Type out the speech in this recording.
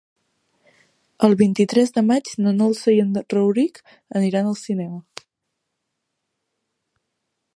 El vint-i-tres de maig na Dolça i en Rauric iran al cinema.